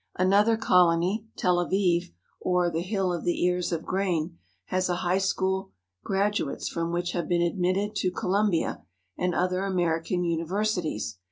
Another colony, Tel Aviv, or "The Hill of the Ears of Grain/' has a high school graduates from which have been admitted to Columbia and other American univer sities.